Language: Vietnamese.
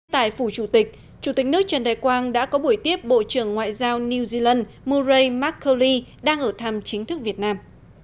tại phủ chủ tịch chủ tịch nước trần đại quang đã có buổi tiếp bộ trưởng ngoại giao new zealand mure markelly đang ở thăm chính thức việt nam